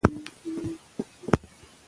زده کړه د یوې روښانه راتلونکې لپاره اړینه ده.